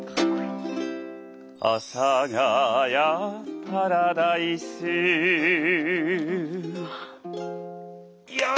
「阿佐ヶ谷パラダイス」よぉ！